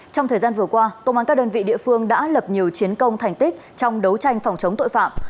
trong thời gian vừa qua công an các đơn vị địa phương đã lập nhiều chiến công thành tích trong đấu tranh phòng chống tội phạm